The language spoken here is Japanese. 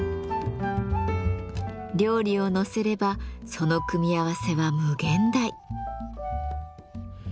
料理をのせればその組み合わせは無限大。